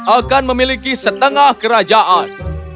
akan memiliki setengah kerajaan